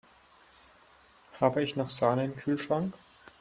Habe ich noch Sahne im Kühlschrank?